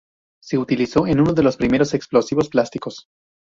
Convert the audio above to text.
Se utilizó en uno de los primeros explosivos plásticos.